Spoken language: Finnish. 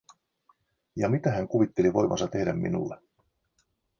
Ja mitä hän kuvitteli voivansa tehdä minulle?